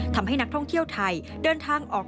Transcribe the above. ทำให้นักท่องเที่ยวไทยเดินทางออก